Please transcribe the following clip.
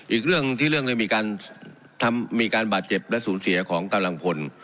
อีกเรื่องที่เรื่องนี้มีการบาดเจ็บและสูญเสียของกำลังพล